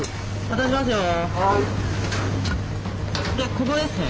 ここですね。